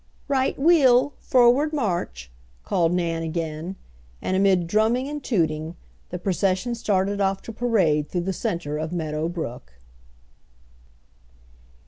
"Right wheel! forward march!" called Nan again, and amid drumming and tooting the procession started off to parade through the center of Meadow Brook.